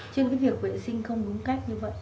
trên cái việc vệ sinh không đúng cách như vậy